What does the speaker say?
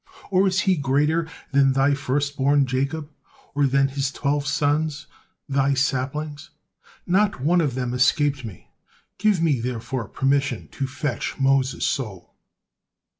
Or is he greater than Thy firstborn Jacob, or than his twelve sons, Thy saplings? Not one of them escaped me, give me therefore permission to fetch Moses' soul."